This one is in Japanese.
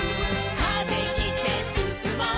「風切ってすすもう」